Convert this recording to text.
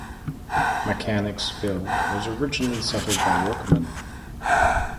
Mechanicsville was originally settled by workmen.